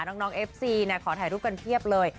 น้องเอฟซีขอถ่ายรูปกันเพียบเลย